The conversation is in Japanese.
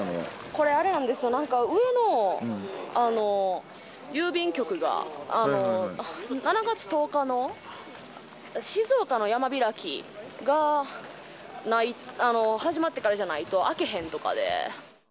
これ、あれなんですよ、なんか、上の郵便局が、７月１０日の静岡の山開きが始まってからじゃないと、開けへんとかで。